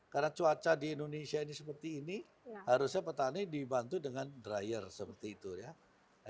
karena cuaca di indonesia ini seperti ini harusnya petani dibantu dengan dryer seperti itu ya